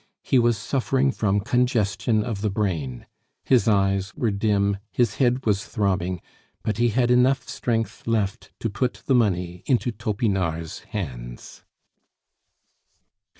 He was suffering from congestion of the brain; his eyes were dim, his head was throbbing, but he had enough strength left to put the money into Topinard's hands.